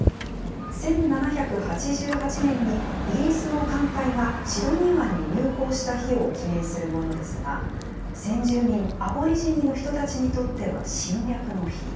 １７８８年にイギリスの艦隊がシドニー湾に入港した日を記念するものですが、先住民アボリジニの人にとっては侵略の日。